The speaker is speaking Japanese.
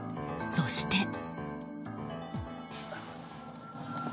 そして。